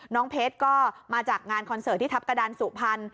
เพชรก็มาจากงานคอนเสิร์ตที่ทัพกระดานสุพรรณ